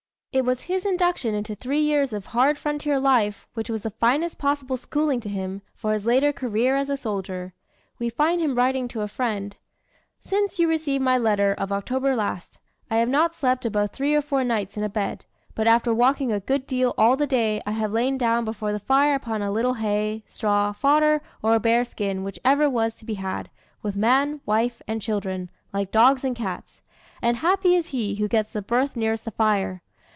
It was his induction into three years of hard frontier life, which was the finest possible schooling to him, for his later career as soldier. We find him writing to a friend: "Since you received my letter of October last, I have not slept above three or four nights in a bed, but after walking a good deal all the day, I have lain down before the fire upon a little hay, straw, fodder, or a bearskin, whichever was to be had, with man, wife, and children, like dogs and cats; and happy is he who gets the berth nearest the fire.